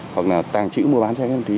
hoặc là tàng trữ mua bán cho các em ma túy